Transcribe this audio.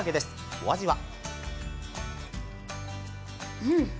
お味は？